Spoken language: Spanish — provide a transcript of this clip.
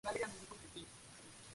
Se critica su coste ecológico.